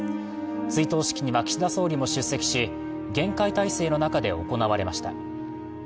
追悼式には岸田総理も出席し厳戒態勢の中で行われました。